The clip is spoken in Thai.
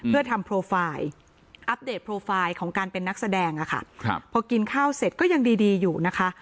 เพื่อทำโปรไฟล์อัปเดตโปรไฟล์ของการเป็นนักแสดงอะค่ะพอกินข้าวเสร็จก็ยังดีอยู่นะคะ